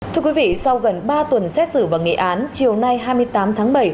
thưa quý vị sau gần ba tuần xét xử và nghị án chiều nay hai mươi tám tháng bảy